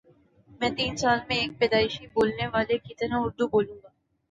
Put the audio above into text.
میں تین سال میں ایک پیدائشی بولنے والے کی طرح اردو بولوں گا